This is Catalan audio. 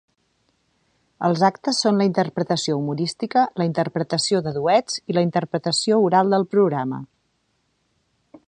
Els actes són la interpretació humorística, la interpretació de duets i la interpretació oral del programa.